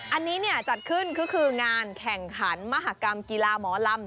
อันนี้จัดขึ้นก็คืองานแข่งขันมหากรรมกีฬาหมอลำ